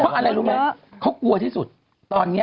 เพราะอะไรรู้ไหมเขากลัวที่สุดตอนนี้